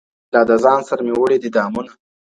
لا د ځان سره مي وړي دي دامونه.